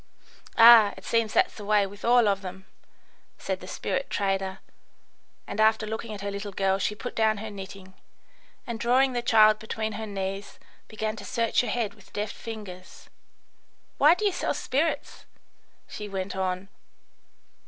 "Ah, it seems that's the way with all of them," said the spirit trader; and after looking at her little girl she put down her knitting, and, drawing the child between her knees, began to search her head with deft fingers. "Why do you sell spirits?" she went on.